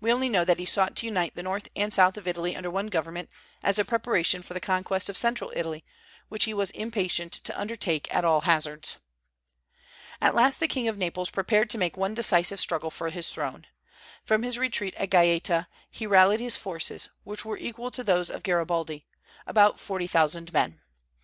We only know that he sought to unite the north and the south of Italy under one government, as a preparation for the conquest of central Italy, which he was impatient to undertake at all hazards. At last the King of Naples prepared to make one decisive struggle for his throne. From his retreat at Gaeta he rallied his forces, which were equal to those of Garibaldi, about forty thousand men.